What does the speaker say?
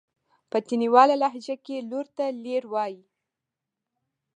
په تڼيواله لهجه کې لور ته لير وايي.